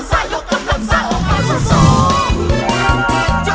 จับ